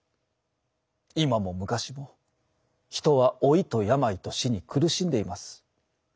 今も昔も人は老いと病と死に苦しんでいます。